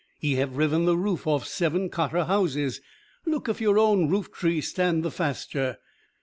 Ye have riven the roof off seven cottar houses look if your own roof tree stand the faster.